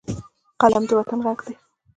قلم د وطن غږ دی